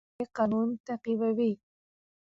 ترکیب د ژبي قانون تعقیبوي.